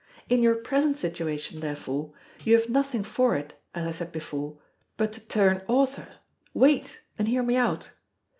In your present situation, therefore, you have nothing for it, as I said before, but to turn author. Wait! and hear me out.